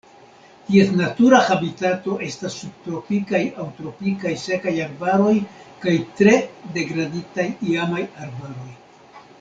Ties natura habitato estas subtropikaj aŭ tropikaj sekaj arbaroj kaj tre degraditaj iamaj arbaroj.